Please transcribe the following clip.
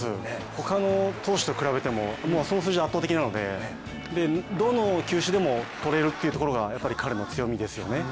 他の投手と比べてもその数字が圧倒的なのでどの球種でも取れるっていうところが彼の強みですよね。